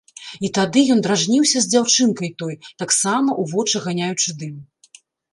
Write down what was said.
І тады ён дражніўся з дзяўчынкай той, таксама ў вочы ганяючы дым.